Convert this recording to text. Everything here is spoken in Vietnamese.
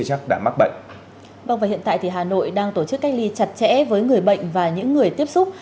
hà nội đang tổ chức cách ly chặt chẽ với người bệnh và những người tiếp xúc